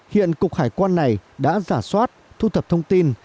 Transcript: hiện cục hải quan này đã giả soát thu thập thông tin